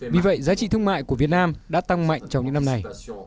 vì vậy giá trị thương mại của việt nam đã tăng mạnh trong những năm này